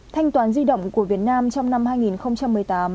thanh toán di động của việt nam trong năm hai nghìn một mươi tám